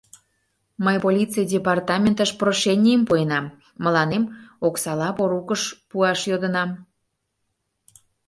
Мый полиций департаментыш прошенийым пуэнам, мыланем оксала порукыш пуаш йодынам.